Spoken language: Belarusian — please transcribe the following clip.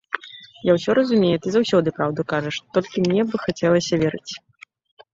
Я ўсё разумею, ты заўсёды праўду кажаш, толькі мне б хацелася верыць.